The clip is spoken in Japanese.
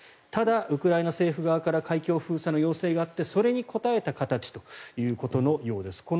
ただ、ウクライナ政府側から海峡封鎖の要請があってそれに応えた形ということのようです。